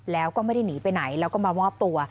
แล้วก็ไม่ได้หนีไปไหนแล้วก็มามอบตัว